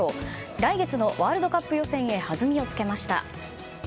来月のワールドカップ予選へ弾みをつけました。